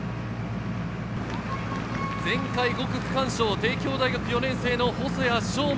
前回５区区間賞、帝京大学４年生・細谷翔